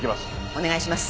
お願いします。